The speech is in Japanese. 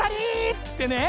ってね。